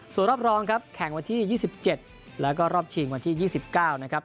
ส่วนรอบรองครับแข่งวันที่๒๗แล้วก็รอบชิงวันที่๒๙นะครับ